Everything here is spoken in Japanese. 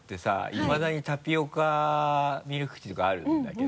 いまだにタピオカミルクティーとかあるんだけど。